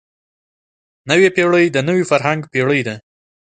نوې پېړۍ د نوي فرهنګ پېړۍ ده.